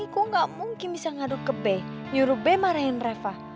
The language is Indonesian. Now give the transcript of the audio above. ini kok gak mungkin bisa ngaduk ke be nyuruh be marahin reva